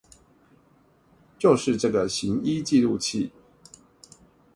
就是這個行醫記錄器